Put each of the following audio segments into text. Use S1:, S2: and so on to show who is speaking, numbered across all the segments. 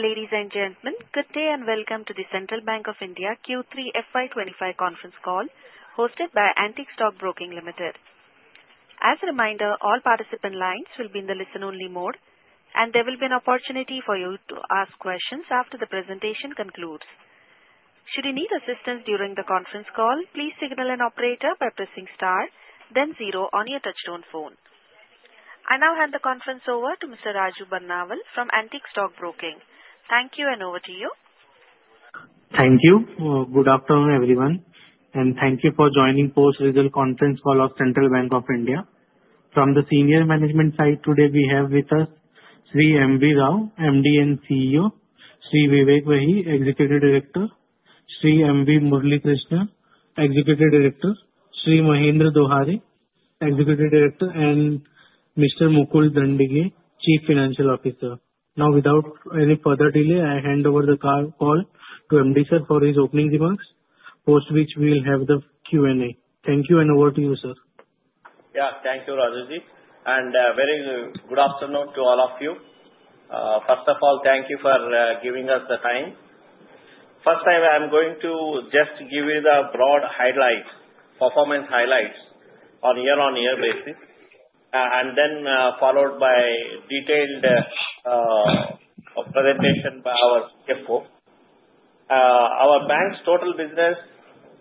S1: Ladies and gentlemen, good day and welcome to the Central Bank of India Q3 FY25 conference call hosted by Antique Stock Broking Limited. As a reminder, all participant lines will be in the listen-only mode, and there will be an opportunity for you to ask questions after the presentation concludes. Should you need assistance during the conference call, please signal an operator by pressing star, then zero on your Touch-Tone phone. I now hand the conference over to Mr. Raju Barnawal from Antique Stock Broking. Thank you, and over to you.
S2: Thank you. Good afternoon, everyone, and thank you for joining the post-result conference call of Central Bank of India. From the senior management side, today we have with us Shri M. V. Rao, MD and CEO, Shri Vivek Wahi, Executive Director, Shri M. V. Murali Krishna, Executive Director, Shri Mahendra Dohare, Executive Director, and Mr. Mukul Dandige, Chief Financial Officer. Now, without any further delay, I hand over the call to MD, sir, for his opening remarks, post which we will have the Q&A. Thank you, and over to you, sir
S3: Yeah, thank you, Raju. And very good afternoon to all of you. First of all, thank you for giving us the time. First, I'm going to just give you the broad highlights, performance highlights on a year-on-year basis, and then followed by a detailed presentation by our CFO. Our Bank's total business has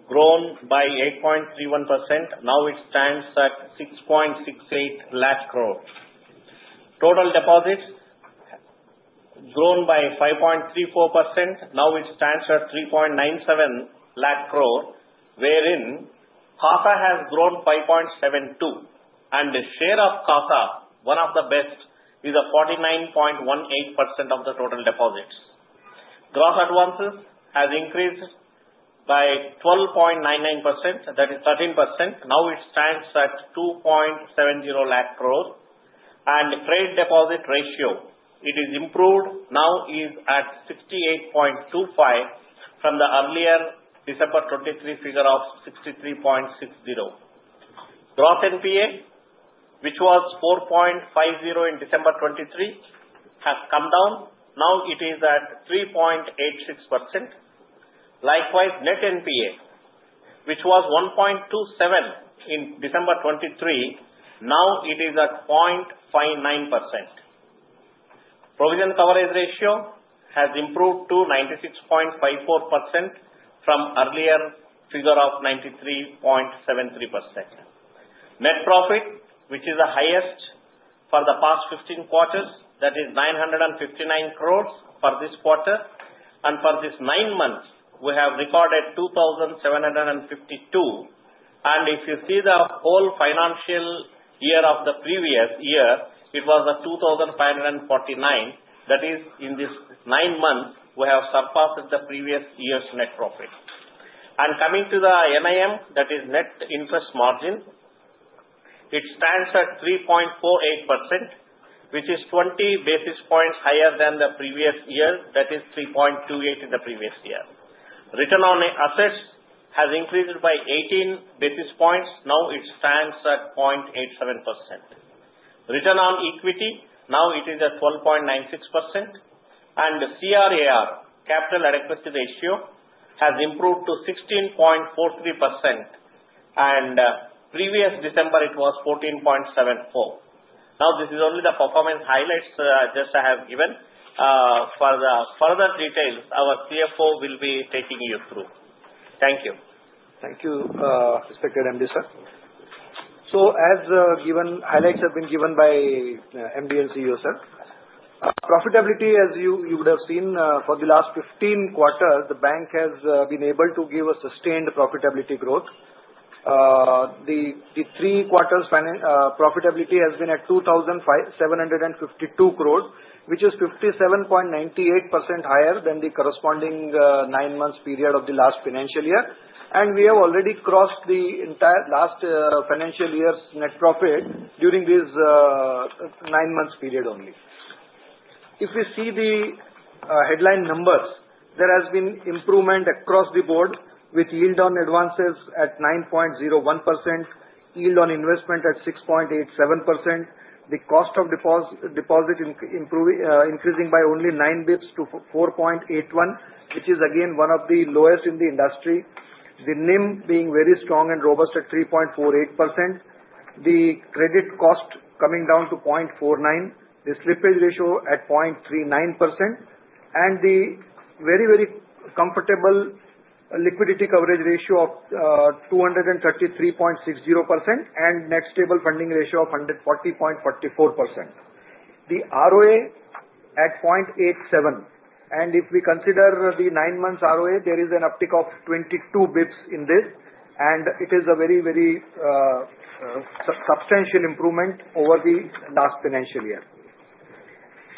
S3: grown by 8.31%. Now it stands at 6.68 lakh crores. Total deposits have grown by 5.34%. Now it stands at 3.97 lakh crores, wherein CASA has grown 5.72%. And the share of CASA, one of the best, is at 49.18% of the total deposits. Gross advances have increased by 12.99%, that is 13%. Now it stands at 2.70 lakh crores. And the Credit Deposit Ratio, it has improved. Now it is at 68.25% from the earlier December 2023 figure of 63.60%. Gross NPA, which was 4.50% in December 2023, has come down. Now it is at 3.86%. Likewise, net NPA, which was 1.27% in December 2023, now it is at 0.59%. Provision coverage ratio has improved to 96.54% from the earlier figure of 93.73%. Net profit, which is the highest for the past 15 quarters, that is 959 crores for this quarter. And for these nine months, we have recorded 2,752. And if you see the whole financial year of the previous year, it was 2,549. That is, in these nine months, we have surpassed the previous year's net profit. And coming to the NIM, that is net interest margin, it stands at 3.48%, which is 20 basis points higher than the previous year, that is 3.28% in the previous year. Return on assets has increased by 18 basis points. Now it stands at 0.87%. Return on equity, now it is at 12.96%. And the CRAR, capital adequacy ratio, has improved to 16.43%. And previous December, it was 14.74%. Now, this is only the performance highlights that I have given. For the further details, our CFO will be taking you through. Thank you.
S4: Thank you, Respected MD, sir. So as given, highlights have been given by MD and CEO, sir. Profitability, as you would have seen, for the last 15 quarters, the Bank has been able to give a sustained profitability growth. The three-quarters profitability has been at 2,752 crores, which is 57.98% higher than the corresponding nine-month period of the last financial year. And we have already crossed the entire last financial year's net profit during this nine-month period only. If we see the headline numbers, there has been improvement across the board with yield on advances at 9.01%, yield on investment at 6.87%, the cost of deposit increasing by only 9 bps to 4.81%, which is again one of the lowest in the industry, the NIM being very strong and robust at 3.48%, the credit cost coming down to 0.49%, the slippage ratio at 0.39%, and the very, very comfortable liquidity coverage ratio of 233.60%, and net stable funding ratio of 140.44%. The ROA at 0.87%. And if we consider the nine-month ROA, there is an uptick of 22 bps in this, and it is a very, very substantial improvement over the last financial year.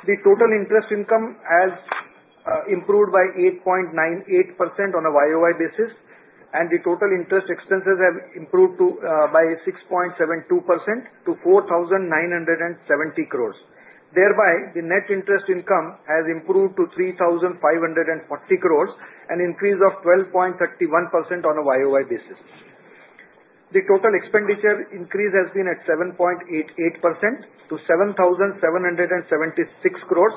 S4: The total interest income has improved by 8.98% on a YOY basis, and the total interest expenses have improved by 6.72% to 4,970 crores. Thereby, the net interest income has improved to 3,540 crores, an increase of 12.31% on a YOY basis. The total expenditure increase has been at 7.88% to 7,776 crores.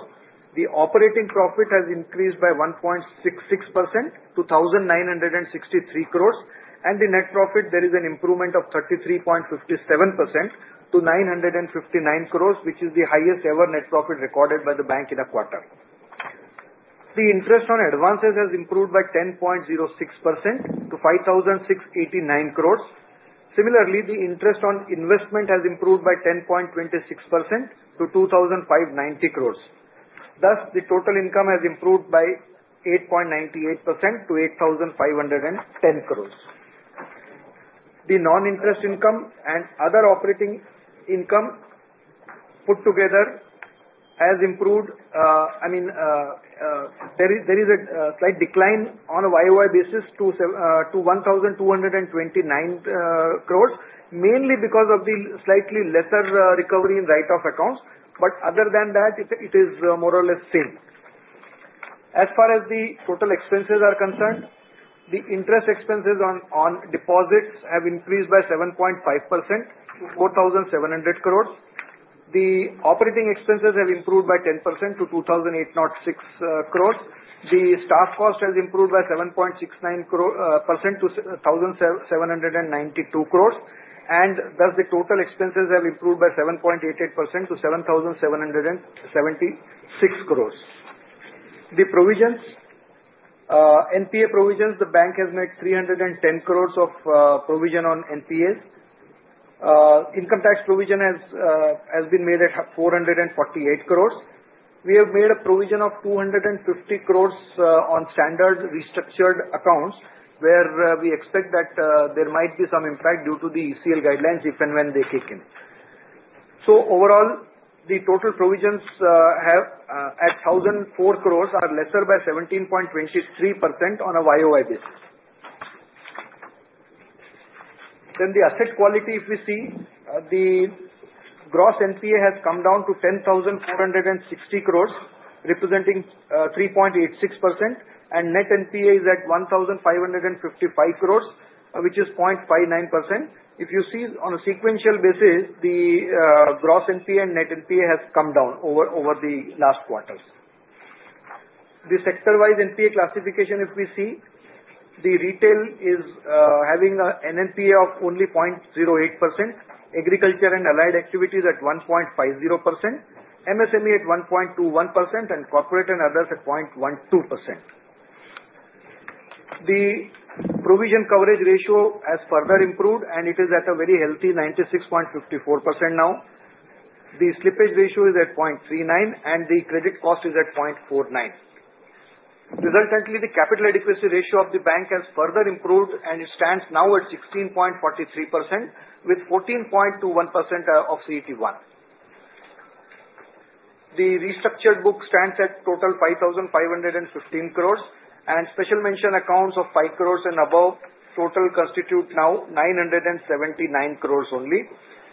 S4: The operating profit has increased by 1.66% to 1,963 crore, and the net profit, there is an improvement of 33.57% to 959 crores, which is the highest-ever net profit recorded by the Bank in a quarter. The interest on advances has improved by 10.06% to 5,689 crores. Similarly, the interest on investment has improved by 10.26% to 2,590 crores. Thus, the total income has improved by 8.98% to 8,510 crores. The non-interest income and other operating income put together has improved. I mean, there is a slight decline on a YOY basis to 1,229 crores, mainly because of the slightly lesser recovery in written-off accounts, but other than that, it is more or less same. As far as the total expenses are concerned, the interest expenses on deposits have increased by 7.5% to 4,700 crores. The operating expenses have improved by 10% to 2,806 crores. The staff cost has improved by 7.69% to 1,792 crores, and thus the total expenses have improved by 7.88% to 7,776 crores. The provisions, NPA provisions, the Bank has made 310 crores of provision on NPAs. Income tax provision has been made at 448 crores. We have made a provision of 250 crores on standard restructured accounts, where we expect that there might be some impact due to the ECL guidelines if and when they kick in. So overall, the total provisions at 1,004 crores are lesser by 17.23% on a YOY basis. Then the asset quality, if we see, the Gross NPA has come down to 10,460 crores, representing 3.86%, and Net NPA is at 1,555 crores, which is 0.59%. If you see, on a sequential basis, the Gross NPA and Net NPA have come down over the last quarters. The sector-wise NPA classification, if we see, the retail is having an NPA of only 0.08%, agriculture and allied activities at 1.50%, MSME at 1.21%, and corporate and others at 0.12%. The provision coverage ratio has further improved, and it is at a very healthy 96.54% now. The slippage ratio is at 0.39%, and the credit cost is at 0.49%. Resultantly, the capital adequacy ratio of the Bank has further improved, and it stands now at 16.43% with 14.21% of CET1. The restructured book stands at total 5,515 crores, and special mention accounts of 5 crores and above total constitute now 979 crores only,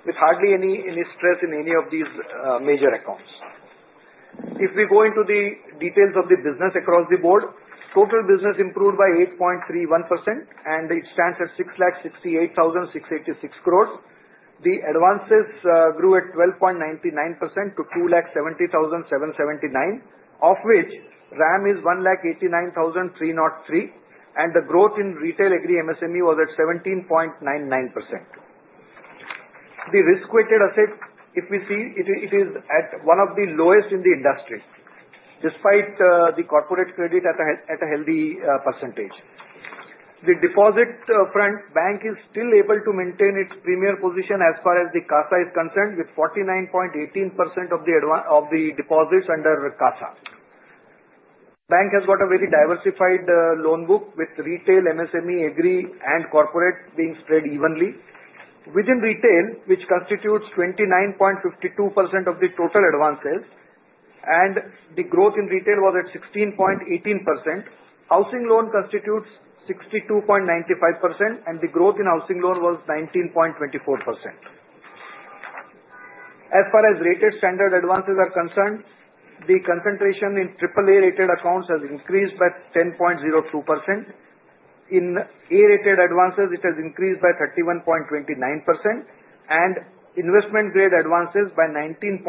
S4: with hardly any stress in any of these major accounts. If we go into the details of the business across the board, total business improved by 8.31%, and it stands at 668,686 crores. The advances grew at 12.99% to 270,779, of which RAM is 189,303, and the growth in Retail, Agri, MSME was at 17.99%. The risk-weighted assets, if we see, it is at one of the lowest in the industry, despite the corporate credit at a healthy percentage. The deposit front, Bank is still able to maintain its premier position as far as the CASA is concerned, with 49.18% of the deposits under CASA. Bank has got a very diversified loan book, with Retail, MSME, Agri, and corporate being spread evenly. Within retail, which constitutes 29.52% of the total advances, and the growth in retail was at 16.18%. Housing loan constitutes 62.95%, and the growth in housing loan was 19.24%. As far as rated standard advances are concerned, the concentration in AAA-rated accounts has increased by 10.02%. In A-rated advances, it has increased by 31.29%, and investment-grade advances by 19.12%.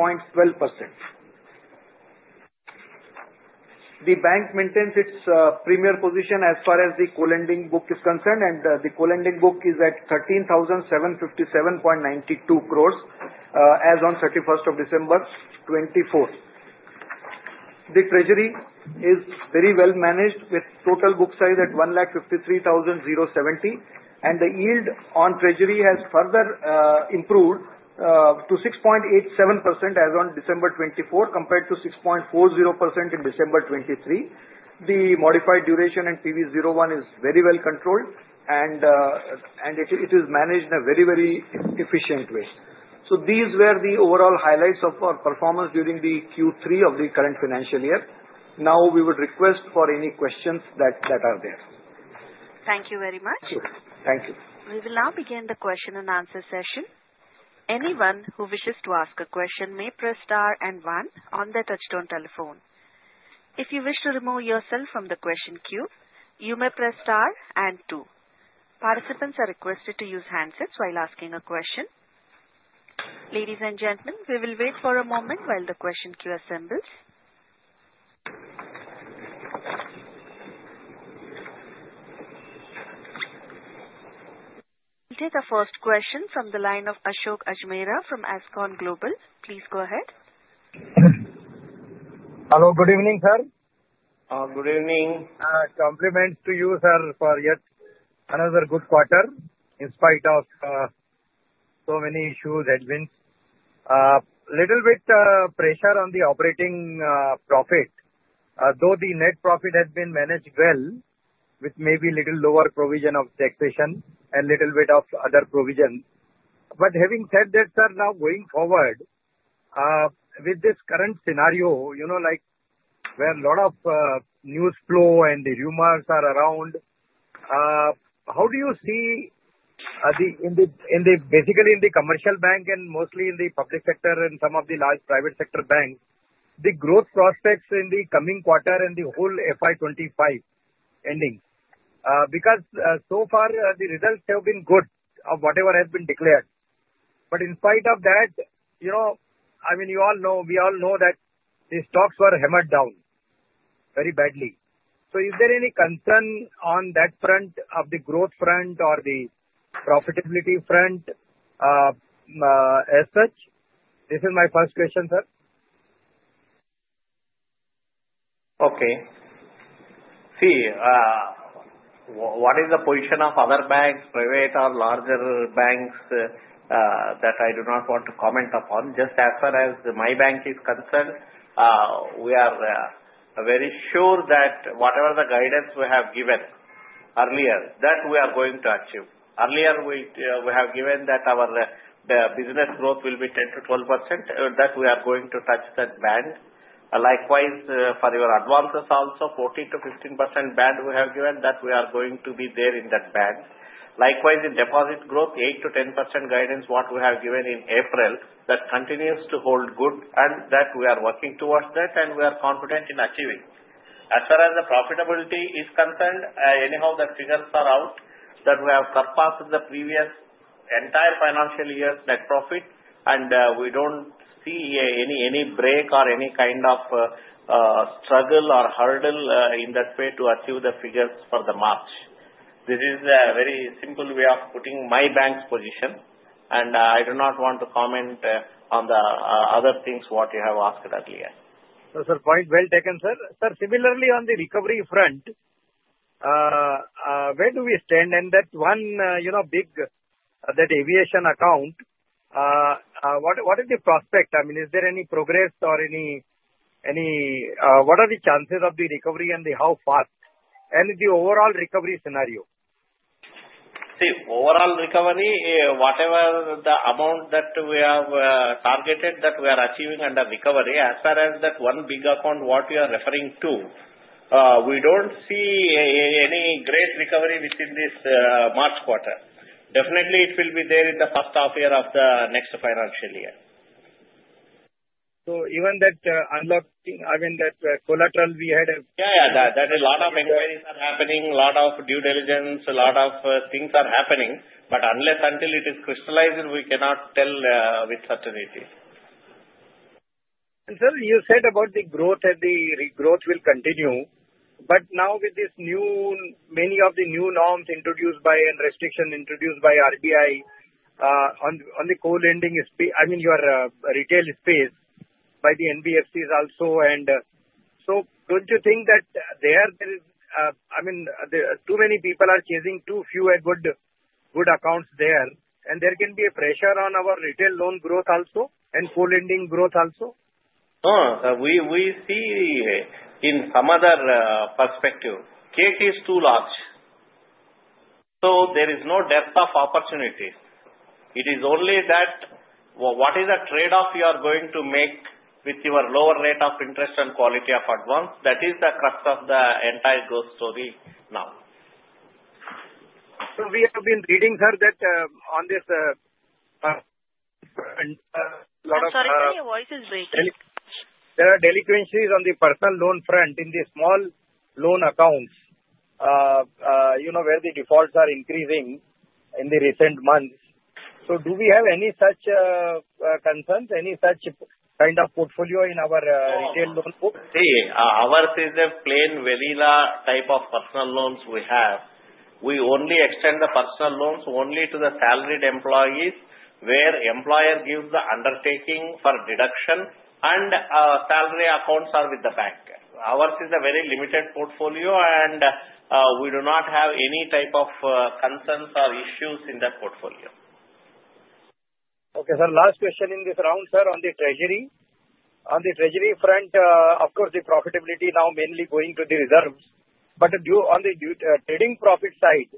S4: The Bank maintains its premier position as far as the co-lending book is concerned, and the co-lending book is at 13,757.92 crores as on 31st of December 2024. The treasury is very well managed, with total book size at 153,070, and the yield on treasury has further improved to 6.87% as on December 2024, compared to 6.40% in December 2023. The modified duration and PV01 is very well controlled, and it is managed in a very, very efficient way. So these were the overall highlights of our performance during the Q3 of the current financial year. Now, we would request for any questions that are there.
S1: Thank you very much.
S2: Thank you.
S1: Thank you. We will now begin the question and answer session. Anyone who wishes to ask a question may press star and one on their Touch-Tone telephone. If you wish to remove yourself from the question queue, you may press star and two. Participants are requested to use handsets while asking a question. Ladies and gentlemen, we will wait for a moment while the question queue assembles. We'll take a first question from the line of Ashok Ajmera from Ajcon Global. Please go ahead.
S3: Hello. Good evening, sir.
S5: Good evening. Compliments to you, sir, for yet another good quarter, in spite of so many issues that have been. A little bit pressure on the operating profit, though the net profit has been managed well with maybe a little lower provision of taxation and a little bit of other provision. But having said that, sir, now going forward, with this current scenario, you know, like where a lot of news flow and the rumors are around, how do you see in the, basically in the commercial bank and mostly in the public sector and some of the large private sector banks, the growth prospects in the coming quarter and the whole FY25 ending? Because so far, the results have been good of whatever has been declared. But in spite of that, you know, I mean, you all know, we all know that the stocks were hammered down very badly. So is there any concern on that front of the growth front or the profitability front as such? This is my first question, sir.
S3: Okay. See, what is the position of other banks, private or larger Banks, that I do not want to comment upon? Just as far as my Bank is concerned, we are very sure that whatever the guidance we have given earlier, that we are going to achieve. Earlier, we have given that our business growth will be 10%-12%, that we are going to touch that band. Likewise, for your advances also, 14%-15% band we have given, that we are going to be there in that band. Likewise, in deposit growth, 8%-10% guidance, what we have given in April, that continues to hold good, and that we are working towards that, and we are confident in achieving. As far as the profitability is concerned, anyhow, the figures are out that we have surpassed the previous entire financial year's net profit, and we don't see any break or any kind of struggle or hurdle in that way to achieve the figures for the March. This is a very simple way of putting my Bank's position, and I do not want to comment on the other things what you have asked earlier.
S5: So, sir, point well taken, sir. Sir, similarly, on the recovery front, where do we stand? And that one, you know, big that aviation account, what is the prospect? I mean, is there any progress or any what are the chances of the recovery and how fast? And the overall recovery scenario.
S3: See, overall recovery, whatever the amount that we have targeted that we are achieving under recovery, as far as that one big account what you are referring to, we don't see any great recovery within this March quarter. Definitely, it will be there in the first half year of the next financial year.
S5: So even that unlocking, I mean, that collateral we had.
S3: Yeah, yeah. That a lot of inquiries are happening, a lot of due diligence, a lot of things are happening, but unless until it is crystallized, we cannot tell with certainty.
S5: Sir, you said about the growth and the growth will continue, but now with this new, many of the new norms introduced by and restrictions introduced by RBI on the co-lending space, I mean, your retail space by the NBFCs also. And so don't you think that there is, I mean, too many people are chasing too few good accounts there, and there can be a pressure on our retail loan growth also and co-lending growth also?
S3: Oh, we see in some other perspective. Cake is too large. So there is no depth of opportunity. It is only that what is the trade-off you are going to make with your lower rate of interest and quality of advance? That is the crux of the entire growth story now.
S5: So we have been reading, sir, that on this a lot of.
S1: I'm sorry, is your voice breaking?
S5: There are delinquencies on the personal loan front in the small loan accounts, you know, where the defaults are increasing in the recent months. So do we have any such concerns, any such kind of portfolio in our retail loan book?
S3: See, ours is a plain very large type of personal loans we have. We only extend the personal loans only to the salaried employees where employer gives the undertaking for deduction, and salary accounts are with the Bank. Ours is a very limited portfolio, and we do not have any type of concerns or issues in that portfolio.
S5: Okay, sir. Last question in this round, sir, on the treasury. On the treasury front, of course, the profitability now mainly going to the reserves, but on the trading profit side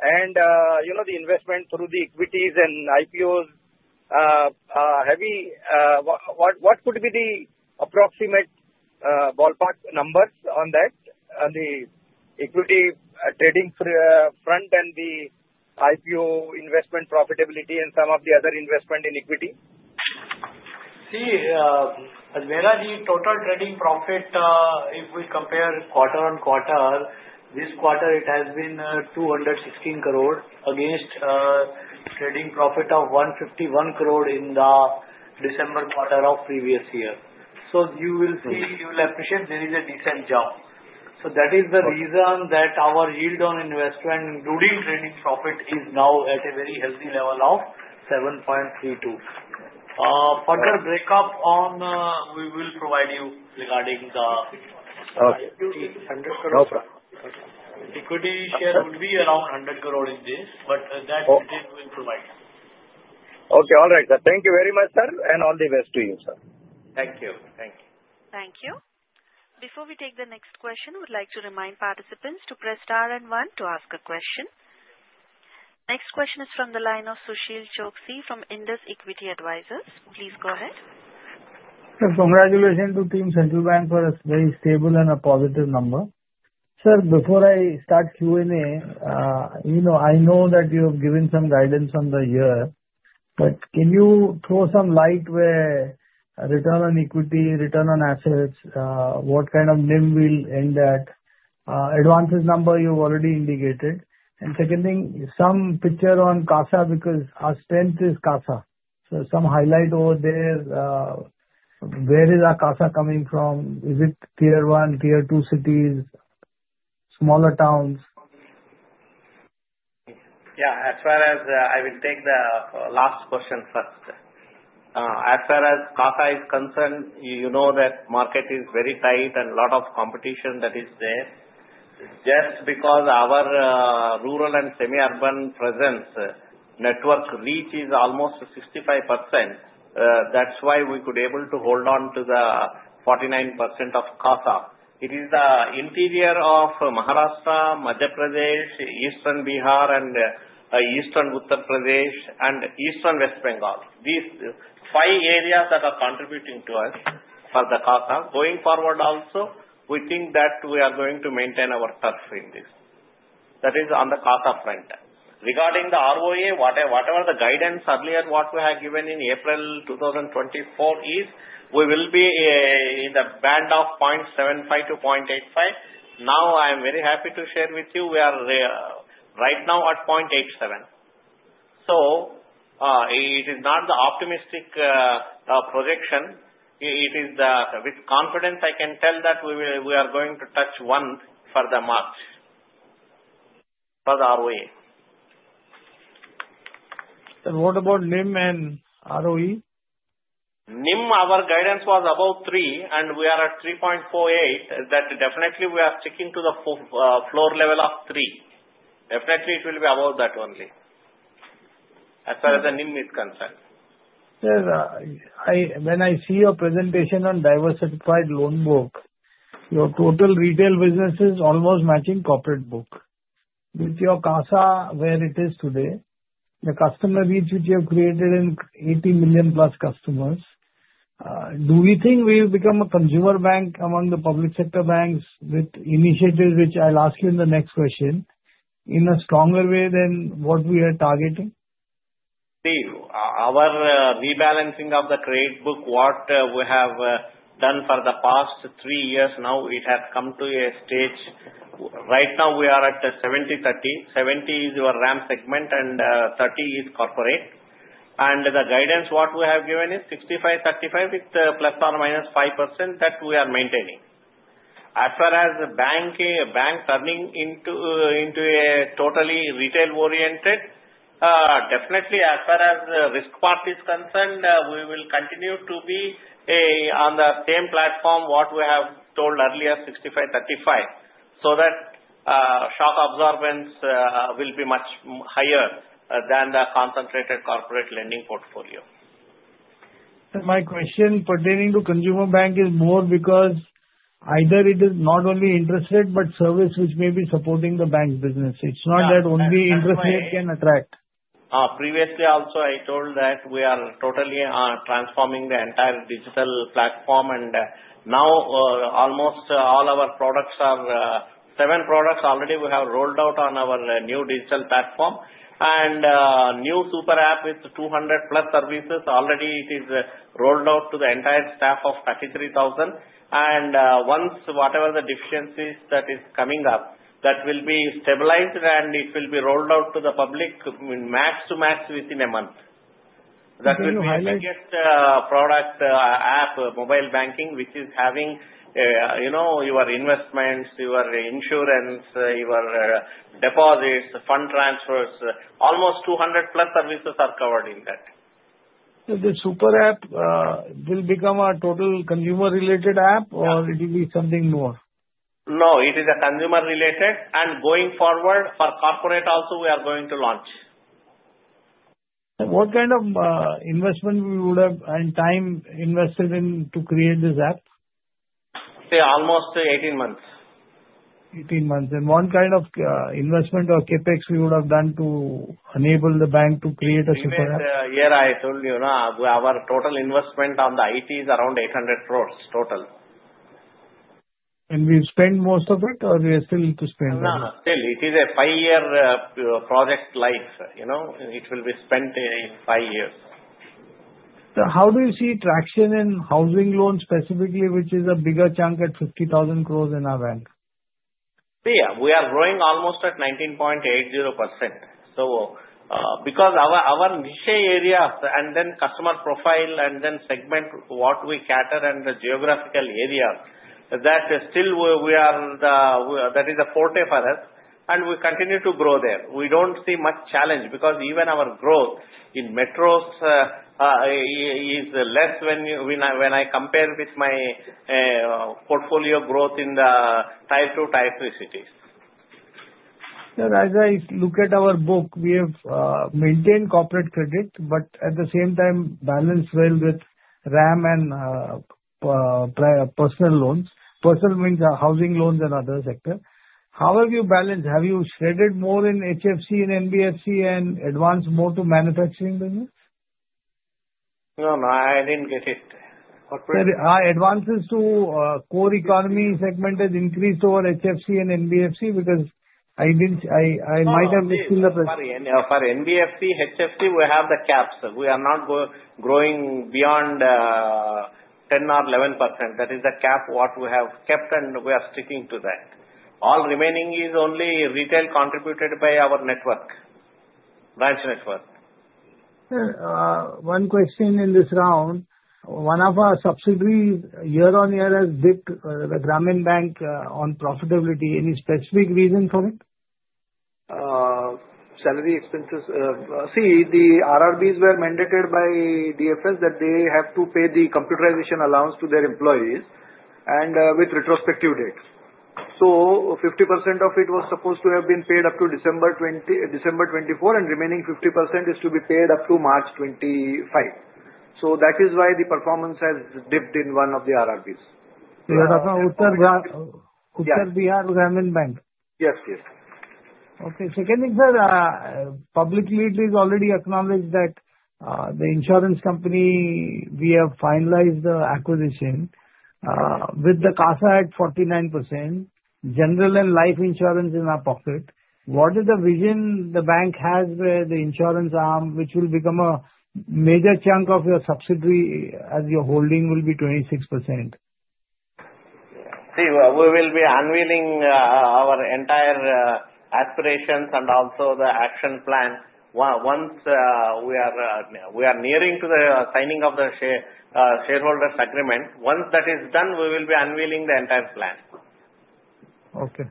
S5: and, you know, the investment through the equities and IPOs, heavy, what could be the approximate ballpark numbers on that, on the equity trading front and the IPO investment profitability and some of the other investment in equity?
S4: See, Ajcon's total trading profit, if we compare quarter on quarter, this quarter it has been 216 crore against trading profit of 151 crore in the December quarter of previous year. So you will see, you will appreciate there is a decent jump. So that is the reason that our yield on investment, including trading profit, is now at a very healthy level of 7.32. Further breakup on, we will provide you regarding the equity share would be around 100 crore in this, but that we will provide.
S5: Okay, all right, sir. Thank you very much, sir, and all the best to you, sir.
S3: Thank you.
S1: Thank you. Before we take the next question, we'd like to remind participants to press star and one to ask a question. Next question is from the line of Sushil Choksey from Indus Equity Advisors. Please go ahead.
S6: Congratulations to Team Central Bank for a very stable and a positive number. Sir, before I start Q&A, you know, I know that you have given some guidance on the year, but can you throw some light where return on equity, return on assets, what kind of NIM will end at, advances number you've already indicated, and second thing, some picture on CASA because our strength is CASA. So some highlight over there, where is our CASA coming from? Is it tier one, tier two cities, smaller towns?
S3: Yeah, as far as I will take the last question first. As far as CASA is concerned, you know that market is very tight and a lot of competition that is there. Just because our rural and semi-urban presence network reach is almost 65%, that's why we could be able to hold on to the 49% of CASA. It is the interior of Maharashtra, Madhya Pradesh, Eastern Bihar, and Eastern Uttar Pradesh, and Eastern West Bengal. These five areas that are contributing to us for the CASA. Going forward also, we think that we are going to maintain our turf in this. That is on the CASA front. Regarding the ROA, whatever the guidance earlier what we have given in April 2024 is we will be in the band of 0.75-0.85. Now, I am very happy to share with you, we are right now at 0.87. It is not the optimistic projection. It is that with confidence I can tell that we are going to touch one for the March for the ROA.
S6: What about NIM and ROE?
S3: NIM, our guidance was about three, and we are at 3.48. That definitely we are sticking to the floor level of three. Definitely, it will be about that only. As far as the NIM is concerned.
S6: When I see your presentation on diversified loan book, your total retail business is almost matching corporate book. With your CASA where it is today, the customer reach which you have created in 80 million plus customers, do we think we have become a consumer bank among the public sector banks with initiatives which I'll ask you in the next question in a stronger way than what we are targeting?
S3: See, our rebalancing of the credit book, what we have done for the past three years now, it has come to a stage. Right now, we are at 70-30. 70 is your RAM segment, and 30 is corporate. And the guidance what we have given is 65-35 with plus or minus 5% that we are maintaining. As far as the Bank turning into a totally retail-oriented, definitely as far as risk part is concerned, we will continue to be on the same platform what we have told earlier, 65-35, so that shock absorbance will be much higher than the concentrated corporate lending portfolio.
S6: Sir, my question pertaining to Consumer Bank is more because either it is not only interest rate but service which may be supporting the Bank's business. It's not that only interest rate can attract.
S3: Previously, also I told that we are totally transforming the entire digital platform, and now almost all our products are seven products already we have rolled out on our new digital platform and new super app with 200 plus services. Already, it is rolled out to the entire staff of 33,000. Once whatever the deficiencies that is coming up, that will be stabilized, and it will be rolled out to the public max to max within a month. That will be the biggest product app, mobile banking, which is having, you know, your investments, your insurance, your deposits, fund transfers. Almost 200 plus services are covered in that.
S6: So the Super App will become a total consumer-related app, or it will be something more?
S3: No, it is a consumer-related, and going forward for corporate also, we are going to launch.
S6: What kind of investment would have and time invested in to create this app?
S3: See, almost 18 months.
S6: 18 months. And what kind of investment or CapEx you would have done to enable the Bank to create a super app?
S3: See, here, I told you, our total investment on the IT is around 800 crores.
S6: We spend most of it, or we are still to spend?
S3: No, no, still. It is a five-year project life, you know. It will be spent in five years.
S6: How do you see traction in housing loans specifically, which is a bigger chunk at 50,000 crores in our Bank?
S3: See, we are growing almost at 19.80%. So, because our niche areas and then customer profile and then segment what we cater and the geographical area, that still we are. That is the forte for us, and we continue to grow there. We don't see much challenge because even our growth in metros is less when I compare with my portfolio growth in the Tier 2, Tier 3 cities.
S6: Sir, as I look at our book, we have maintained corporate credit, but at the same time balanced well with RAM and personal loans. Personal means housing loans and other sector. How have you balanced? Have you shifted more in HFC and NBFC and advanced more to manufacturing business?
S3: No, no, I didn't get it.
S6: Advances to core economy segment has increased over HFC and NBFC because I might have missed the question.
S3: Sorry, sorry. For NBFC, HFC, we have the caps. We are not growing beyond 10% or 11%. That is the cap what we have kept, and we are sticking to that. All remaining is only retail contributed by our network, branch network.
S6: Sir, one question in this round. One of our subsidiaries year on year has dipped, the Gramin Bank, on profitability. Any specific reason for it?
S4: Salary expenses. See, the RRBs were mandated by DFS that they have to pay the computerization allowance to their employees and with retrospective date. So 50% of it was supposed to have been paid up to December 2024, and remaining 50% is to be paid up to March 2025. So that is why the performance has dipped in one of the RRBs.
S6: You are talking about Uttar Bihar Gramin Bank?
S4: Yes, yes.
S6: Okay. Secondly, sir, publicly it is already acknowledged that the insurance company we have finalized the acquisition with the CASA at 49%, general and life insurance in our pocket. What is the vision the Bank has where the insurance arm, which will become a major chunk of your subsidiary as your holding will be 26%?
S3: See, we will be unveiling our entire aspirations and also the action plan. Once we are nearing to the signing of the shareholders' agreement, once that is done, we will be unveiling the entire plan.
S6: Okay.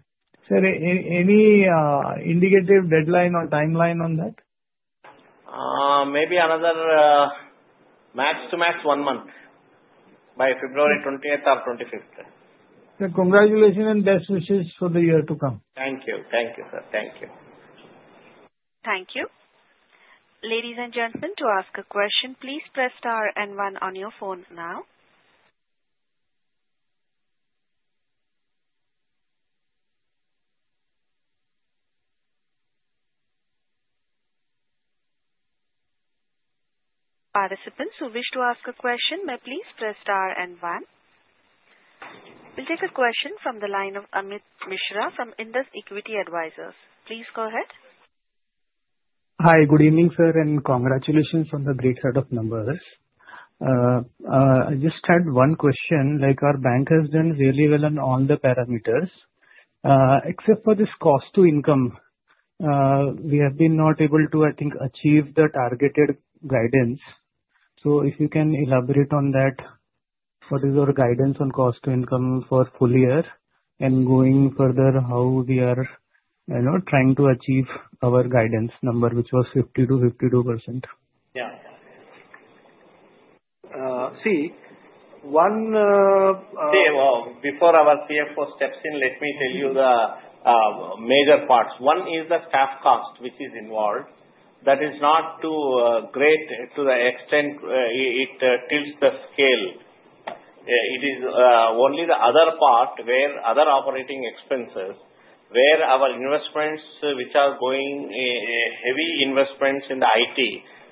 S6: Sir, any indicative deadline or timeline on that?
S3: Maybe another max to max one month by February 20th or 25th.
S6: Sir, congratulations and best wishes for the year to come.
S3: Thank you.
S6: Thank you, sir.
S3: Thank you.
S1: Thank you. Ladies and gentlemen, to ask a question, please press star and one on your phone now. Participants who wish to ask a question, may please press star and one. We'll take a question from the line of Amit Mishra from Indus Equity Advisors. Please go ahead.
S7: Hi, good evening, sir, and congratulations on the great set of numbers. I just had one question. Like our Bank has done really well on all the parameters, except for this cost to income. We have been not able to, I think, achieve the targeted guidance. So if you can elaborate on that, what is your guidance on cost to income for full year and going further how we are trying to achieve our guidance number, which was 50%-52%?
S4: Yeah. See, one.
S3: See, before our CFO steps in, let me tell you the major parts. One is the staff cost, which is involved. That is not too great to the extent it tilts the scale. It is only the other part where other operating expenses where our investments, which are going heavy investments in the IT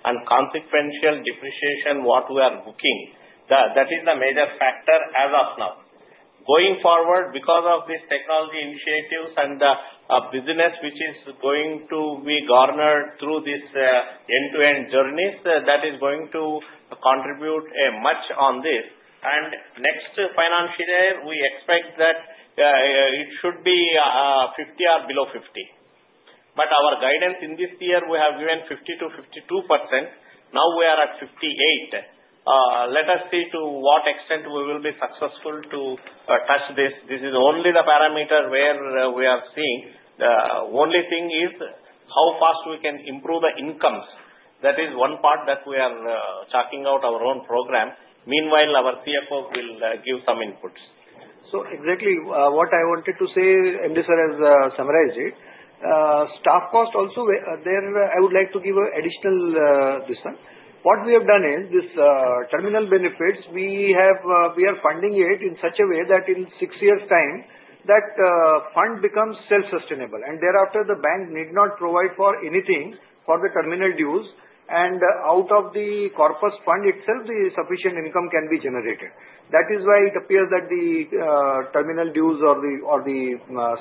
S3: and consequential depreciation what we are booking. That is the major factor as of now. Going forward, because of these technology initiatives and the business which is going to be garnered through these end-to-end journeys, that is going to contribute much on this. And next financial year, we expect that it should be 50% or below 50%. But our guidance in this year, we have given 50%-52%. Now we are at 58%. Let us see to what extent we will be successful to touch this. This is only the parameter where we are seeing. The only thing is how fast we can improve the incomes. That is one part that we are chalking out our own program. Meanwhile, our CFO will give some inputs.
S4: So exactly what I wanted to say, MD Sir has summarized it. Staff cost also, there I would like to give an additional this one. What we have done is this terminal benefits, we are funding it in such a way that in six years' time, that fund becomes self-sustainable. And thereafter, the Bank need not provide for anything for the terminal dues, and out of the corpus fund itself, the sufficient income can be generated. That is why it appears that the terminal dues or the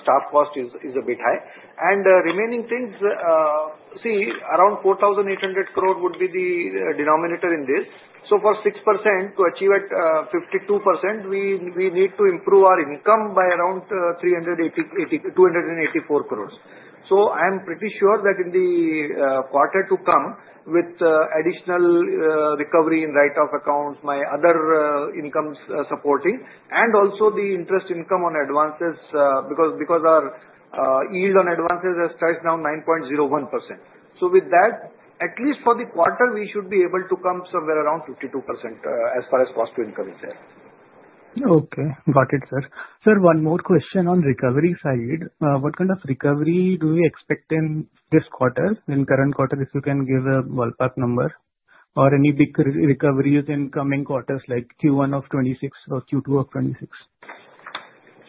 S4: staff cost is a bit high. And remaining things, see, around 4,800 crore would be the denominator in this. So for 6% to achieve at 52%, we need to improve our income by around 284 crores. So I am pretty sure that in the quarter to come with additional recovery in write-off accounts, our other incomes supporting, and also the interest income on advances because our yield on advances has touched now 9.01%. So with that, at least for the quarter, we should be able to come somewhere around 52% as far as cost to income is there.
S7: Okay. Got it, sir. Sir, one more question on recovery side. What kind of recovery do we expect in this quarter, in current quarter, if you can give a ballpark number or any big recoveries in coming quarters like Q1 of 2026 or Q2 of 2026?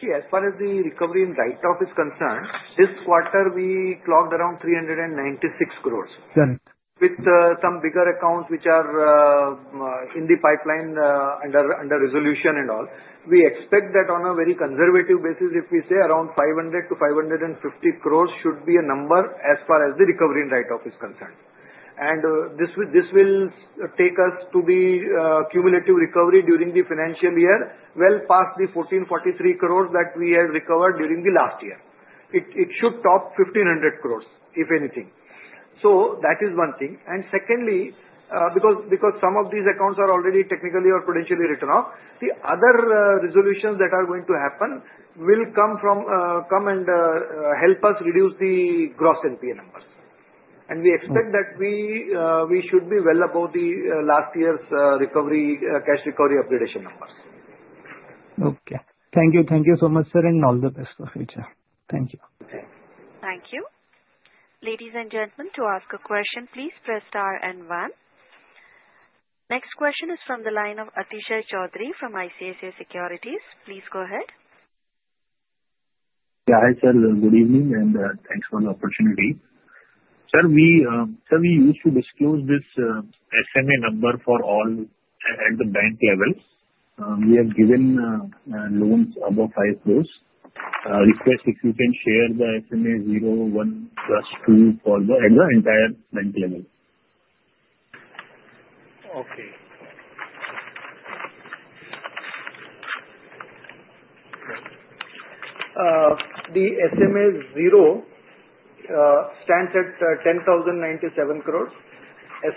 S4: See, as far as the recovery in write-off is concerned, this quarter we clocked around 396 crores.
S7: Got it.
S4: With some bigger accounts which are in the pipeline under resolution and all, we expect that on a very conservative basis, if we say around 500 to 550 crores should be a number as far as the recovery in write-off is concerned. And this will take us to the cumulative recovery during the financial year well past the 1,443 crores that we had recovered during the last year. It should top 1,500 crores, if anything. So that is one thing. And secondly, because some of these accounts are already technically or prudentially written off, the other resolutions that are going to happen will come and help us reduce the Gross NPA numbers. And we expect that we should be well above the last year's recovery cash recovery appreciation numbers.
S7: Okay. Thank you. Thank you so much, sir, and all the best for future. Thank you.
S1: Thank you. Ladies and gentlemen, to ask a question, please press star and one. Next question is from the line of Atishay Choudhary from ICICI Securities. Please go ahead.
S8: Yeah, hi sir. Good evening and thanks for the opportunity. Sir, we used to disclose this SMA number for all at the Bank level. We have given loans above five crores. Request if you can share the SMA 0, 1, plus 2 for the entire Bank level.
S4: Okay. The SMA 0 stands at 10,097 crores,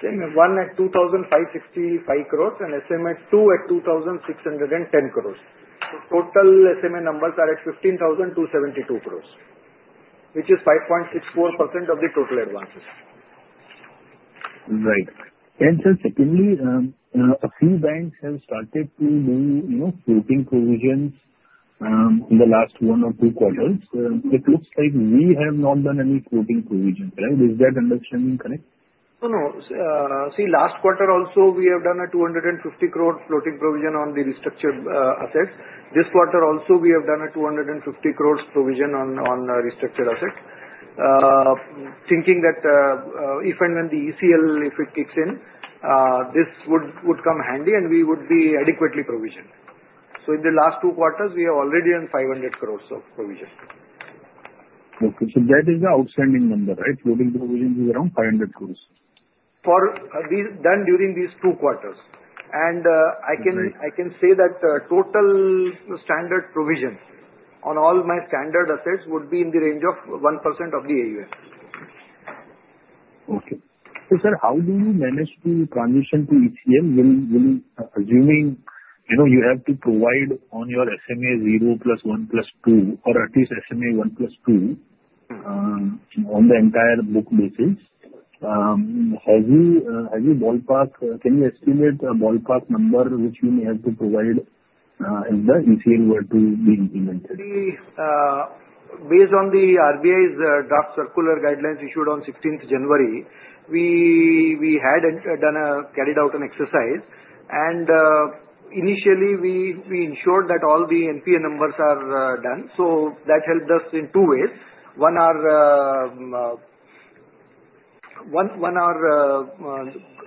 S4: SMA 1 at 2,565 crores, and SMA 2 at 2,610 crores. So total SMA numbers are at 15,272 crores, which is 5.64% of the total advances.
S8: Right. And sir, secondly, a few Banks have started to do floating provisions in the last one or two quarters. It looks like we have not done any floating provisions, right? Is that understanding correct?
S4: No, no. See, last quarter also, we have done a 250 crore floating provision on the restructured assets. This quarter also, we have done a 250 crores provision on restructured assets, thinking that if and when the ECL if it kicks in, this would come handy and we would be adequately provisioned. So in the last two quarters, we are already on 500 crores of provisions.
S8: Okay. So that is the outstanding number, right? Floating provision is around 500 crores?
S4: For done during these two quarters, and I can say that total standard provision on all my standard assets would be in the range of 1% of the AUM.
S8: Okay. So, sir, how do you manage to transition to ECL? Assuming you have to provide on your SMA 0 plus 1 plus 2, or at least SMA 1 plus 2 on the entire book basis, have you ballpark, can you estimate a ballpark number which you may have to provide if the ECL were to be implemented?
S4: See, based on the RBI's draft circular guidelines issued on 16th of January, we had carried out an exercise. And initially, we ensured that all the NPA numbers are done. So that helped us in two ways. One, our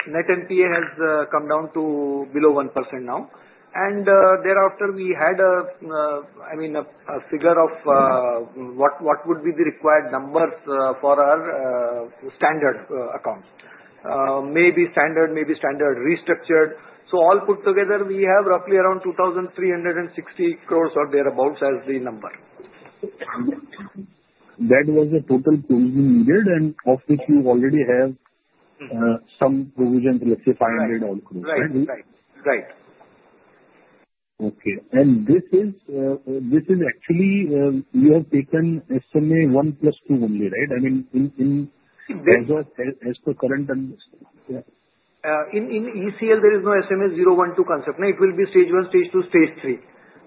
S4: net NPA has come down to below 1% now. And thereafter, we had, I mean, a figure of what would be the required numbers for our standard accounts. Maybe standard, maybe standard restructured. So all put together, we have roughly around 2,360 crores or thereabouts as the number.
S8: That was the total provision needed, and of which you already have some provisions, let's say 500 all crores, right?
S4: Right, right, right.
S8: Okay. And this is actually you have taken SMA 1 plus 2 only, right? I mean, as per current.
S4: In ECL, there is no SMA 0, 1, 2 concept. It will be stage one, stage two, stage three.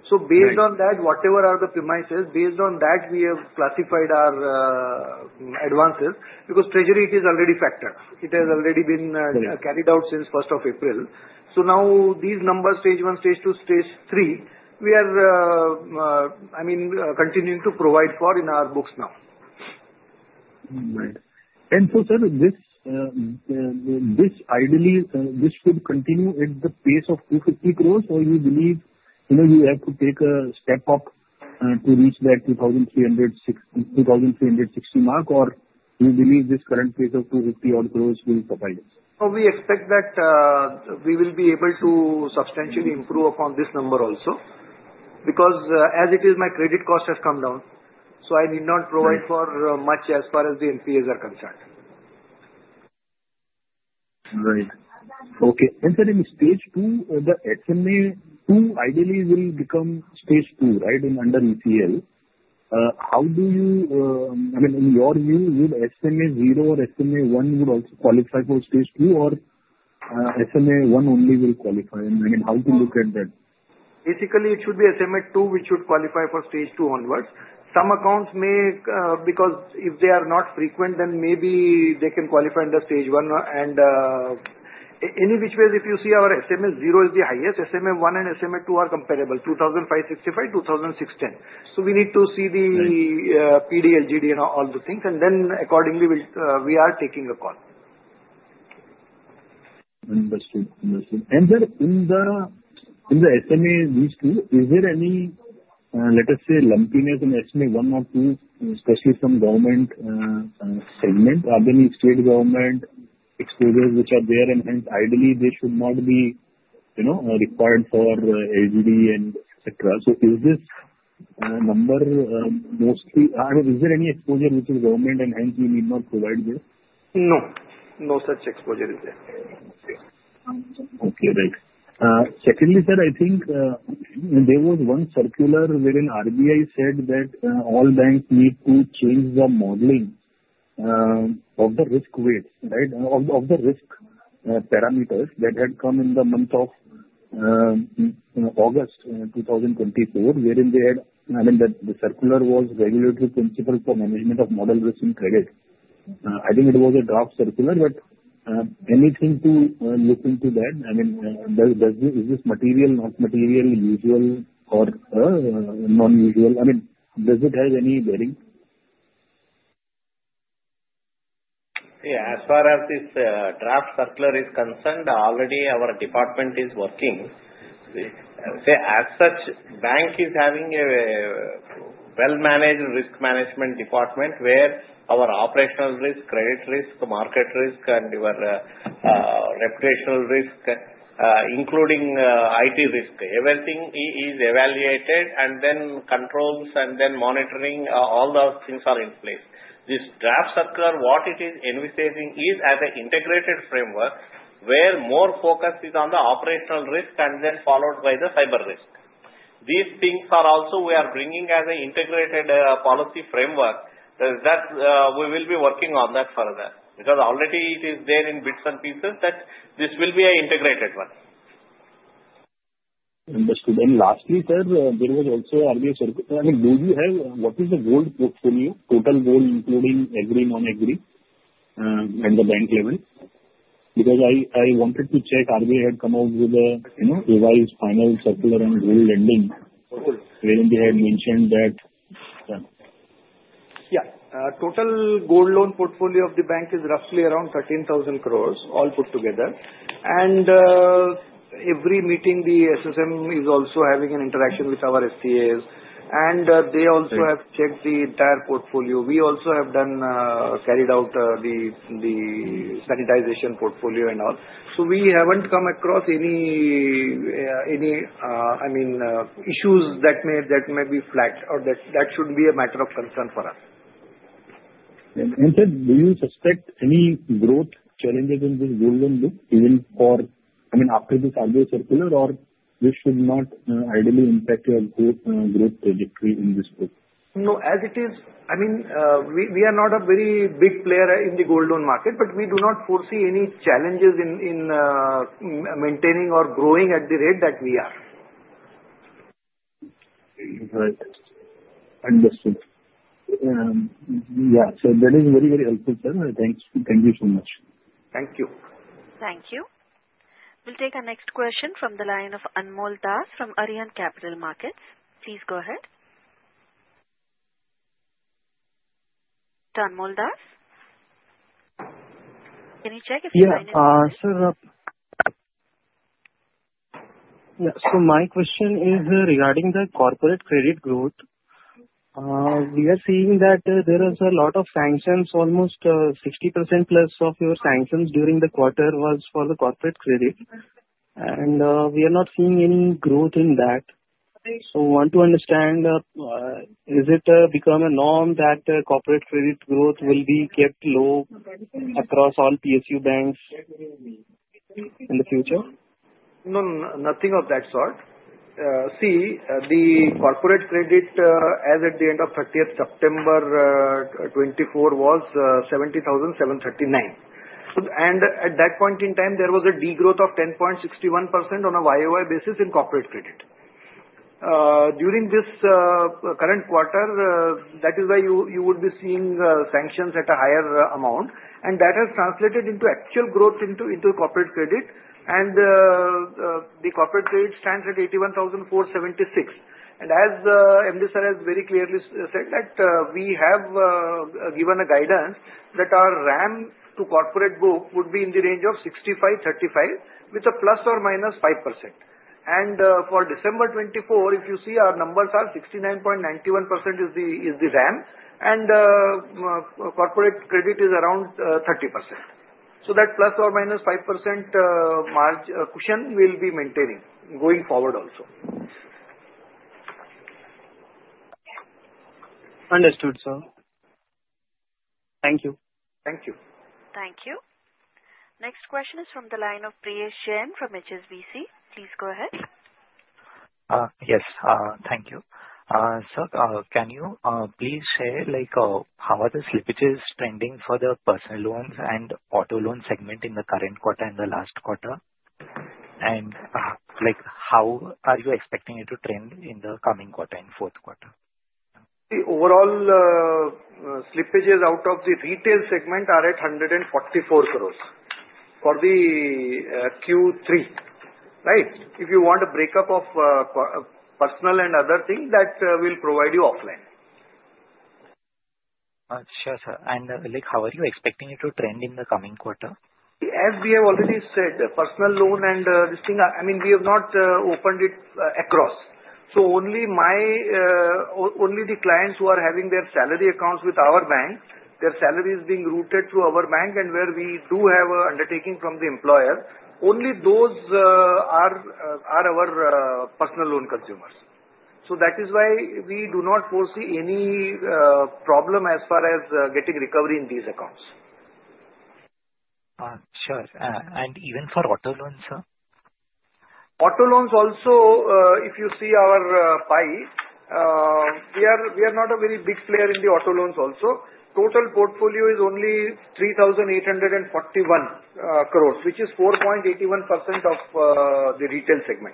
S4: So based on that, whatever are the premises, based on that, we have classified our advances because treasury, it is already factored. It has already been carried out since 1st of April. So now these numbers, stage one, stage two, stage three, we are, I mean, continuing to provide for in our books now.
S8: Right. And so, sir, this ideally, this should continue at the pace of 250 crores, or you believe you have to take a step up to reach that 2,360 mark, or you believe this current pace of 250 crores will provide?
S4: So we expect that we will be able to substantially improve upon this number also because as it is, my credit cost has come down. So I need not provide for much as far as the NPAs are concerned.
S8: Right. Okay. And sir, in stage two, the SMA 2 ideally will become stage two, right, under ECL. How do you, I mean, in your view, would SMA 0 or SMA 1 would also qualify for stage two, or SMA 1 only will qualify? I mean, how to look at that?
S4: Basically, it should be SMA 2, which should qualify for stage two onwards. Some accounts may, because if they are not frequent, then maybe they can qualify under stage one, and in which case, if you see our SMA 0 is the highest, SMA 1 and SMA 2 are comparable, 2,565, 2,610, so we need to see the PD, LGD, and all the things, and then accordingly, we are taking a call.
S8: Understood. And sir, in the SMA these two, is there any, let us say, lumpiness in SMA 1 or 2, especially from government segment? Are there any state government exposures which are there, and hence ideally they should not be required for LGD and etc.? So is this number mostly, I mean, is there any exposure which is government, and hence we need not provide this?
S4: No. No such exposure is there.
S8: Okay. Right. Secondly, sir, I think there was one circular wherein RBI said that all Banks need to change the modeling of the risk weights, right, of the risk parameters that had come in the month of August 2024, wherein they had, I mean, the circular was regulatory principle for management of model risk in credit. I think it was a draft circular, but anything to look into that? I mean, is this material, not material, usual, or non-usual? I mean, does it have any bearing?
S3: Yeah. As far as this draft circular is concerned, already our department is working. As such, Bank is having a well-managed risk management department where our operational risk, credit risk, market risk, and your reputational risk, including IT risk, everything is evaluated, and then controls, and then monitoring, all those things are in place. This draft circular, what it is envisaging is as an integrated framework where more focus is on the operational risk and then followed by the cyber risk. These things are also we are bringing as an integrated policy framework that we will be working on that further because already it is there in bits and pieces that this will be an integrated one.
S8: Understood, and lastly, sir, there was also RBI circular. I mean, do you have what is the whole portfolio, total whole, including agri, non-agri at the Bank level? Because I wanted to check RBI had come out with a revised final circular on gold lending wherein they had mentioned that.
S4: Yeah. Total gold loan portfolio of the Bank is roughly around 13,000 crores, all put together, and every meeting, the SSM is also having an interaction with our SDAs, and they also have checked the entire portfolio. We also have carried out the sanitization portfolio and all, so we haven't come across any, I mean, issues that may be flagged or that should be a matter of concern for us.
S8: Sir, do you suspect any growth challenges in this gold loan book, even for, I mean, after this RBI circular, or this should not ideally impact your growth trajectory in this book?
S4: No. As it is, I mean, we are not a very big player in the gold loan market, but we do not foresee any challenges in maintaining or growing at the rate that we are.
S8: Right. Understood. Yeah. So that is very, very helpful, sir. Thank you so much.
S4: Thank you.
S1: Thank you. We'll take our next question from the line of Anmol Das from Arihant Capital Markets. Please go ahead. To Anmol Das. Can you check if you're on it?
S9: Yeah. Sir, yeah. So my question is regarding the corporate credit growth. We are seeing that there is a lot of sanctions, almost 60% plus of your sanctions during the quarter was for the corporate credit. And we are not seeing any growth in that. So I want to understand, is it become a norm that corporate credit growth will be kept low across all PSU Banks in the future?
S4: No, no, nothing of that sort. See, the corporate credit as at the end of 30th September 2024 was 70,739. And at that point in time, there was a degrowth of 10.61% on a YoY basis in corporate credit. During this current quarter, that is why you would be seeing sanctions at a higher amount. And that has translated into actual growth into corporate credit. And the corporate credit stands at 81,476. And as MD Sir has very clearly said that we have given a guidance that our RAM to corporate book would be in the range of 65-35, with a plus or minus 5%. And for December 2024, if you see, our numbers are 69.91% is the RAM, and corporate credit is around 30%. So that plus or minus 5% margin cushion will be maintaining going forward also.
S9: Understood, sir. Thank you.
S4: Thank you.
S1: Thank you. Next question is from the line of Priyesh Jain from HSBC. Please go ahead.
S10: Yes. Thank you. Sir, can you please share how are the slippages trending for the personal loans and auto loan segment in the current quarter and the last quarter? And how are you expecting it to trend in the coming quarter and fourth quarter?
S4: The overall slippages out of the retail segment are at 144 crores for the Q3, right? If you want a breakup of personal and other things, that will provide you offline.
S10: Sure, sir. And how are you expecting it to trend in the coming quarter?
S4: As we have already said, personal loan and this thing, I mean, we have not opened it across. So only the clients who are having their salary accounts with our Bank, their salary is being routed through our Bank, and where we do have undertaking from the employer, only those are our personal loan consumers. So that is why we do not foresee any problem as far as getting recovery in these accounts.
S10: Sure. And even for auto loans, sir?
S4: Auto loans also, if you see our pie, we are not a very big player in the auto loans also. Total portfolio is only 3,841 crores, which is 4.81% of the retail segment,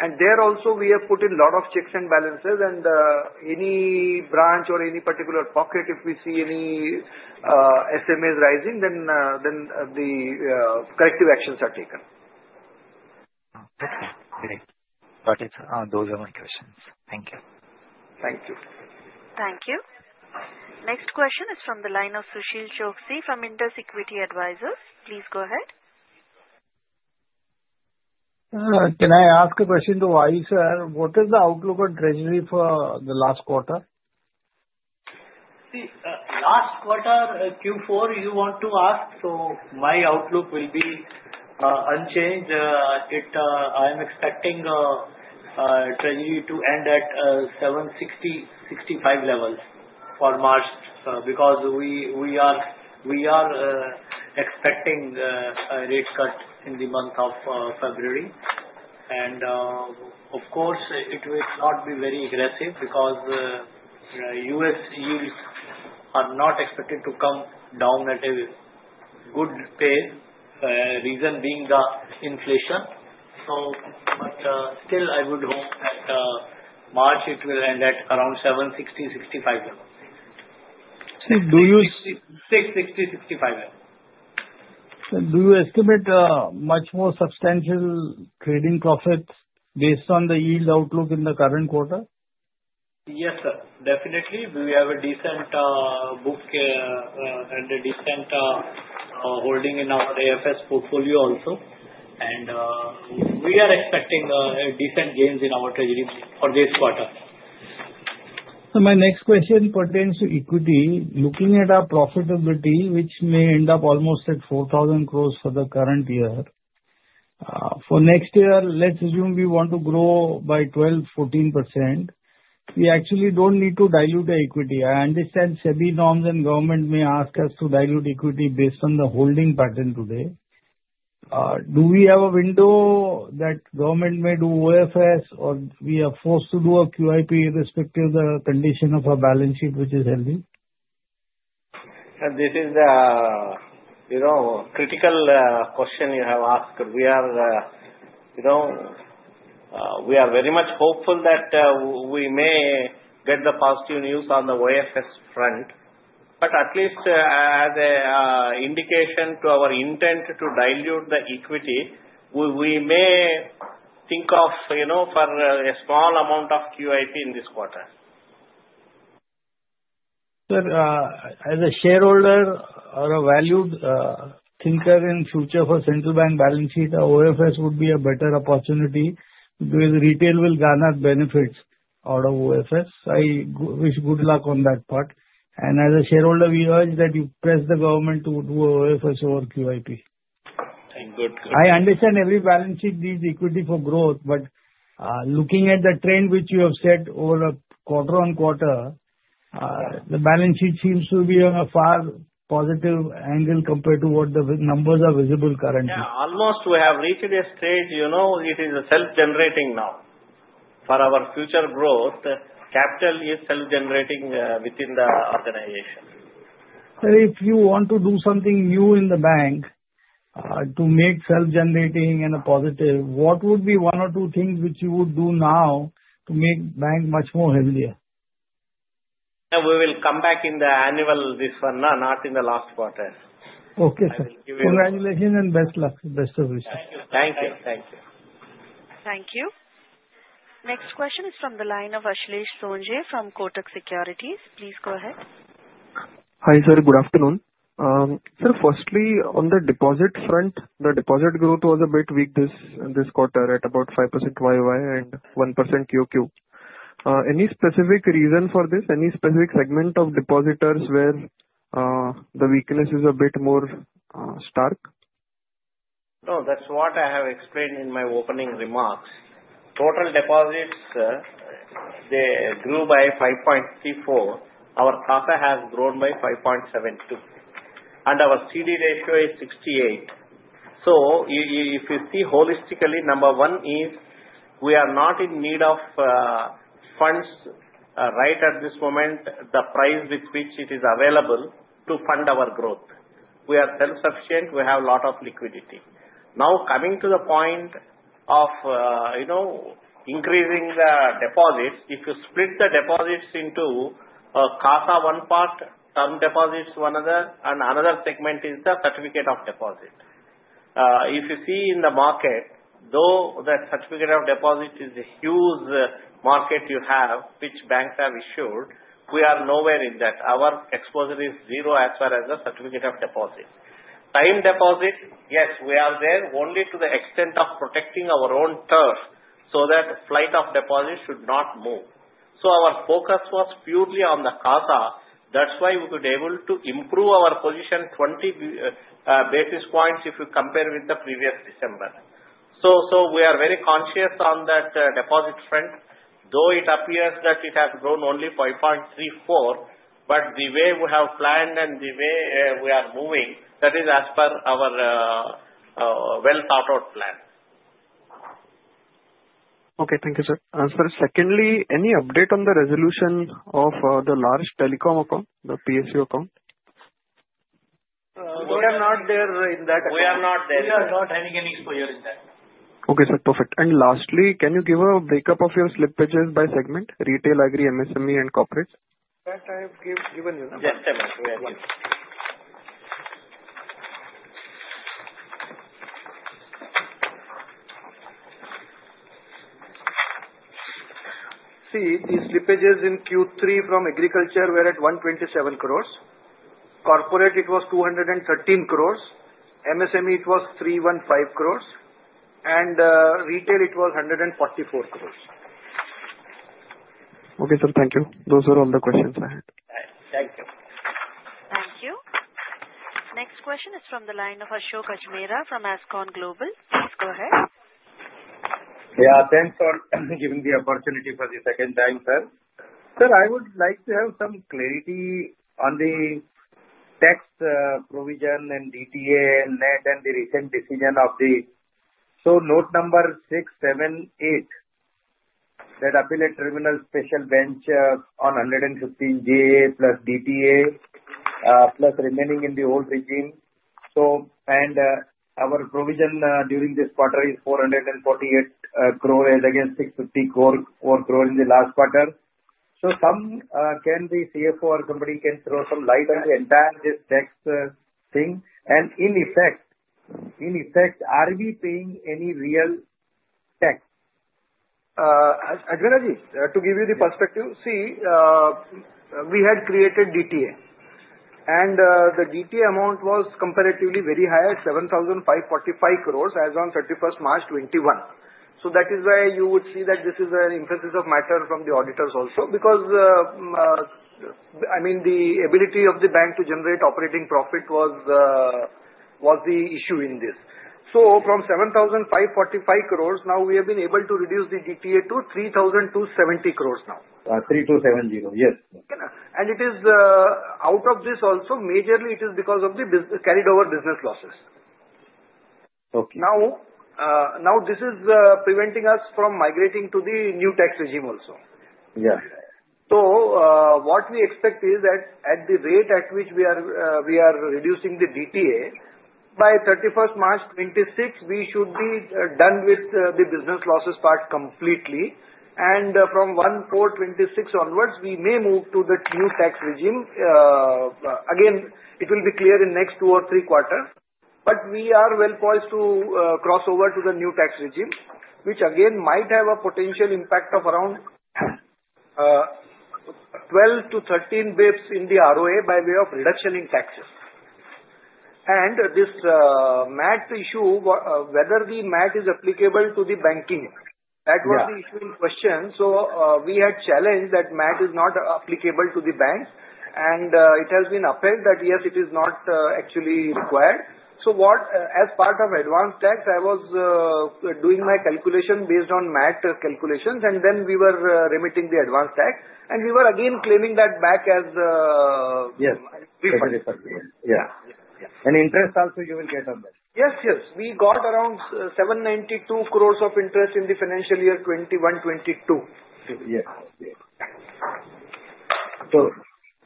S4: and there also, we have put in a lot of checks and balances, and any branch or any particular pocket, if we see any SMAs rising, then the corrective actions are taken.
S10: Okay. Great. Got it. Those are my questions. Thank you.
S4: Thank you.
S1: Thank you. Next question is from the line of Sushil Choksey from Indus Equity Advisors. Please go ahead.
S6: Can I ask a question to Wahi Sir? What is the outlook on treasury for the last quarter?
S11: See, last quarter Q4, you want to ask, so my outlook will be unchanged. I am expecting treasury to end at 7.60-7.65 levels for March because we are expecting a rate cut in the month of February. And of course, it will not be very aggressive because U.S. yields are not expected to come down at a good pace, reason being the inflation. But still, I would hope that March it will end at around 7.60-7.65 levels.
S6: Do you?
S11: 660.65 levels.
S6: Do you estimate much more substantial trading profits based on the yield outlook in the current quarter?
S11: Yes, sir. Definitely. We have a decent book and a decent holding in our AFS portfolio also, and we are expecting decent gains in our treasury for this quarter.
S6: So my next question pertains to equity. Looking at our profitability, which may end up almost at 4,000 crores for the current year, for next year, let's assume we want to grow by 12%-14%, we actually don't need to dilute equity. I understand SEBI norms and government may ask us to dilute equity based on the holding pattern today. Do we have a window that government may do OFS, or we are forced to do a QIP irrespective of the condition of our balance sheet, which is healthy?
S3: This is a critical question you have asked. We are very much hopeful that we may get the positive news on the OFS front, but at least as an indication to our intent to dilute the equity, we may think of a small amount of QIP in this quarter.
S6: Sir, as a shareholder or a valued thinker in future for Central Bank balance sheet, OFS would be a better opportunity because retail will garner benefits out of OFS. I wish good luck on that part, and as a shareholder, we urge that you press the government to do OFS over QIP.
S3: Thank you. Good.
S6: I understand every balance sheet needs equity for growth, but looking at the trend which you have said over a quarter on quarter, the balance sheet seems to be on a far positive angle compared to what the numbers are visible currently.
S3: Yeah. Almost we have reached a stage. It is self-generating now for our future growth. Capital is self-generating within the organization.
S6: If you want to do something new in the Bank to make self-generating and positive, what would be one or two things which you would do now to make the Bank much more healthier?
S3: We will come back in the annual this one, not in the last quarter.
S6: Okay, sir. Congratulations and best luck. Best of wishes.
S3: Thank you.
S6: Thank you.
S1: Thank you. Next question is from the line of Ashlesh Sonje from Kotak Securities. Please go ahead.
S12: Hi, sir. Good afternoon. Sir, firstly, on the deposit front, the deposit growth was a bit weak this quarter at about 5% YoY and 1% QoQ. Any specific reason for this? Any specific segment of depositors where the weakness is a bit more stark?
S3: No, that's what I have explained in my opening remarks. Total deposits, they grew by 5.34%. Our CASA has grown by 5.72%, and our CD ratio is 68%. So if you see holistically, number one is we are not in need of funds right at this moment, the price with which it is available to fund our growth. We are self-sufficient. We have a lot of liquidity. Now, coming to the point of increasing the deposits, if you split the deposits into CASA one part, term deposits one other, and another segment is the certificate of deposit. If you see in the market, though that certificate of deposit is a huge market you have, which Banks have issued, we are nowhere in that. Our exposure is zero as far as the certificate of deposit. Time deposit, yes, we are there only to the extent of protecting our own turf so that flight of deposit should not move. So our focus was purely on the CASA. That's why we were able to improve our position 20 basis points if you compare with the previous December. So we are very conscious on that deposit front, though it appears that it has grown only 5.34, but the way we have planned and the way we are moving, that is as per our well-thought-out plan.
S12: Okay. Thank you, sir. Secondly, any update on the resolution of the large telecom account, the PSU account?
S4: We are not there in that. We are not there.
S11: We are not having any exposure in that.
S12: Okay, sir. Perfect. And lastly, can you give a breakup of your slippages by segment? Retail, Agri, MSME, and corporate?
S4: That I have given you.
S3: Yes, sir.
S4: See, the slippages in Q3 from agriculture were at 127 crores. Corporate, it was 213 crores. MSME, it was 315 crores. And retail, it was 144 crores.
S12: Okay, sir. Thank you. Those are all the questions I had.
S4: Thank you.
S1: Thank you. Next question is from the line of Ashok Ajmera from Ajcon Global. Please go ahead.
S5: Yeah. Thanks for giving the opportunity for the second time, sir. Sir, I would like to have some clarity on the tax provision and DTA and NET and the recent decision of the. So note number 678, that Appellate Tribunal special bench on 115 DA plus DTA plus remaining in the old regime. And our provision during this quarter is 448 crores against 654 crores in the last quarter. So can the CFO or somebody can throw some light on the entire this tax thing? And in effect, are we paying any real tax?
S4: Ajmera ji, to give you the perspective, see, we had created DTA. And the DTA amount was comparatively very high at 7,545 crores as of 31st March 2021. That is why you would see that this is an emphasis of matter from the auditors also because, I mean, the ability of the Bank to generate operating profit was the issue in this. From 7,545 crores, now we have been able to reduce the DTA to 3,270 crores now. 3270. Yes. It is out of this also, majorly it is because of the carried-over business losses. Now, this is preventing us from migrating to the new tax regime also. What we expect is that at the rate at which we are reducing the DTA, by 31st March 2026, we should be done with the business losses part completely. From 2026 onwards, we may move to the new tax regime. Again, it will be clear in the next two or three quarters. We are well poised to cross over to the new tax regime, which again might have a potential impact of around 12-13 basis points in the ROA by way of reduction in taxes. This MAT issue, whether the MAT is applicable to the Banking, that was the issue in question. We had challenged that MAT is not applicable to the Banks. And it has been upheld that yes, it is not actually required. So as part of advance tax, I was doing my calculation based on MAT calculations, and then we were remitting the advance tax. And we were again claiming that back as.
S5: Interest also you will get on that.
S4: Yes, yes. We got around 792 crores of interest in the financial year 2021-2022.
S5: Yes.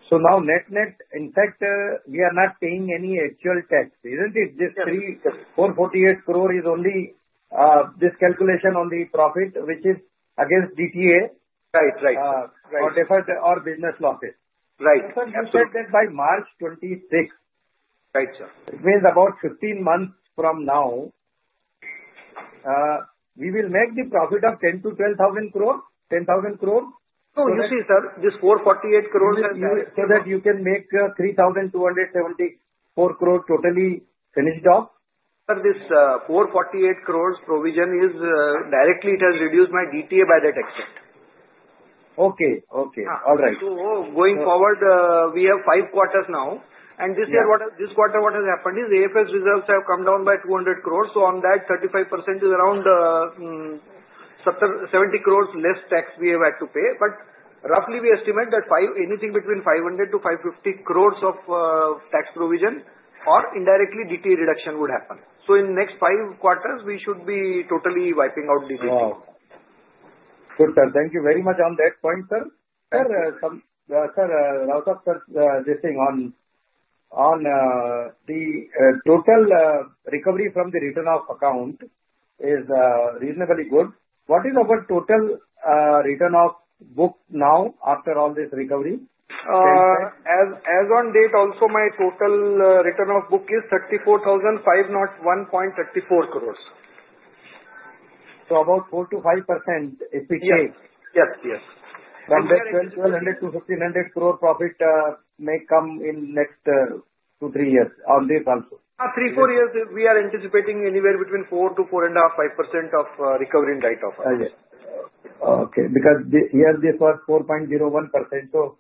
S5: So now net net, in fact, we are not paying any actual tax. Isn't it? This 448 crore is only this calculation on the profit, which is against DTA or business losses.
S4: Right.
S5: You said that by March 2026, it means about 15 months from now, we will make the profit of 10-12 thousand crores. 10,000 crores.
S4: No, you see, sir, this 448 crores and.
S5: So that you can make 3,274 crores totally finished off?
S4: Sir, this 448 crores provision is directly it has reduced my DTA by that extent.
S5: Okay. Okay. All right.
S4: So going forward, we have five quarters now. And this quarter, what has happened is AFS reserves have come down by 200 crores. So on that, 35% is around 70 crores less tax we have had to pay. But roughly, we estimate that anything between 500-550 crores of tax provision or indirectly DTA reduction would happen. So in the next five quarters, we should be totally wiping out DTA.
S5: Good, sir. Thank you very much on that point, sir. Sir, Raju sir is saying on the total recovery from the written-off account is reasonably good. What is our total written-off book now after all this recovery?
S4: As on date, also my total loan book is 34,501.34 crores.
S5: About 4%-5% if it changes.
S4: Yes, yes.
S5: From 1,200-1,500 crore profit may come in next two to three years on this also.
S4: Three, four years, we are anticipating anywhere between 4% to 4.5%, 5% of recovery in light of.
S5: Okay. Because here this was 4.01%. So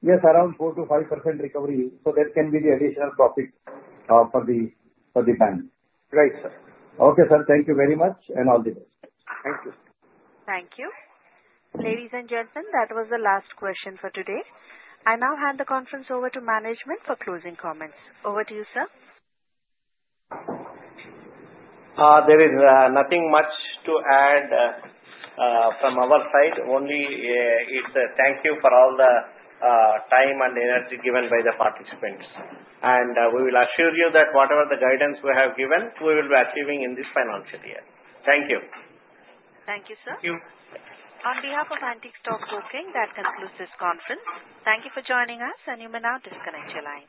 S5: yes, around 4%-5% recovery. So that can be the additional profit for the Bank.
S13: Right, sir.
S5: Okay, sir. Thank you very much and all the best.
S4: Thank you.
S1: Thank you. Ladies and gentlemen, that was the last question for today. I now hand the conference over to management for closing comments. Over to you, sir.
S3: There is nothing much to add from our side. Only, it's a thank you for all the time and energy given by the participants. And we will assure you that whatever the guidance we have given, we will be achieving in this financial year. Thank you.
S1: Thank you, sir.
S4: Thank you.
S1: On behalf of Antique Stock Broking, that concludes this conference. Thank you for joining us, and you may now disconnect your lines.